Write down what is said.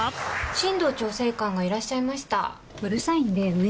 眞堂調整官がいらっしゃいました。